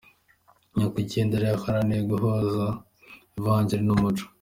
Nyakwigendera yaharaniye guhuza ivanjiri n’ umuco.